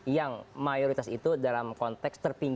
yang mayoritas itu dalam konteks terpilih